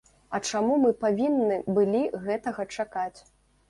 А чаму мы павінны былі гэтага чакаць?